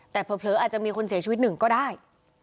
แต่เผลออาจจะมีคนเสียชีวิตหนึ่งก็ได้